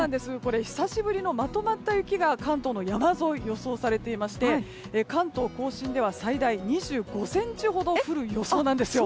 久しぶりのまとまった雪が関東の山沿いで予想されていまして関東・甲信では最大２５ｃｍほど降る予想なんですよ。